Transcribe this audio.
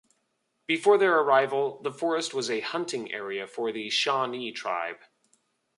Before their arrival, the forest was a hunting area for the Shawnee tribe.